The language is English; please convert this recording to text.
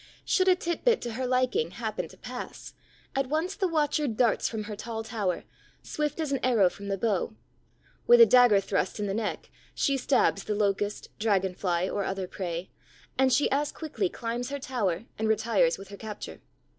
Should a titbit to her liking happen to pass, at once the watcher darts from her tall tower, swift as an arrow from the bow. With a dagger thrust in the neck, she stabs the Locust, Dragon fly, or other prey; and she as quickly climbs her tower and retires with her capture.